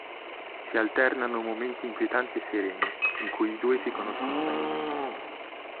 Si alternano momenti inquietanti e sereni, in cui i due si conoscono meglio.